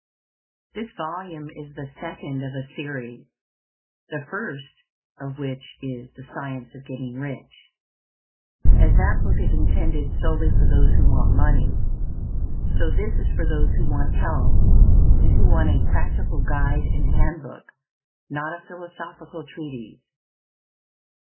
This volume is the second of a series, the first of which is "THE SCIENCE OF GETTING RICH." As that book is intended solely for those who want money, so this is for those who want health, and who want a practical guide and handbook, not a philosophical treatise.